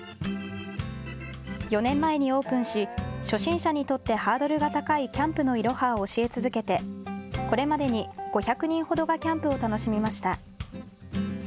４年前にオープンし初心者にとってハードルが高いキャンプのいろはを教え続けてこれまでに５００人ほどがキャンプを楽しみました。